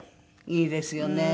いいですよね。